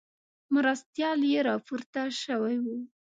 مرستیال یې راپورته شوی وو.